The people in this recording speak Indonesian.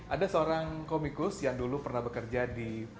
ada seorang komikus yang dulu pernah bekerja di